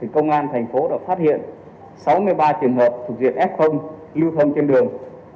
công an tp hcm đã phát hiện sáu mươi ba trường hợp thuộc diện f lưu thông trên đường